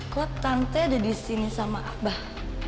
kok tante ada disini sama abah